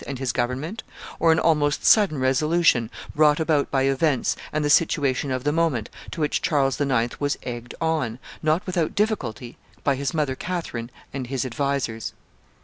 and his government, or an almost sudden resolution, brought about by events and the situation of the moment, to which Charles IX. was egged on, not without difficulty, by his mother Catherine and his advisers?